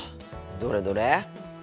どれどれ？